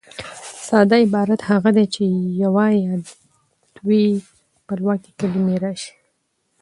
ساده عبارت هغه دئ، چي یوه یا دوې خپلواکي کلیمې راسي.